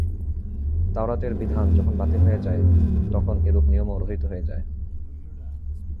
তাওরাতের বিধান যখন বাতিল হয়ে যায়, তখন এরূপ নিয়মও রহিত হয়ে যায়।